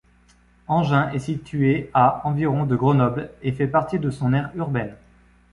Engins est située à environ de Grenoble et fait partie de son aire urbaine.